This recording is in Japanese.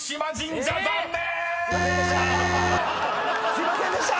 すいませんでした！